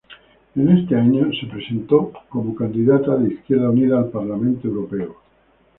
En este año se presentó como candidata de Izquierda Unida al Parlamento Europeo.